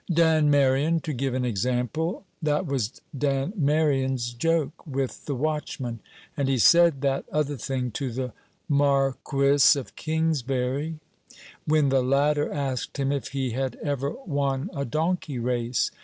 Dan Merion, to give an example. That was Dan Merion's joke with the watchman: and he said that other thing to the Marquis of Kingsbury, when the latter asked him if he had ever won a donkey race.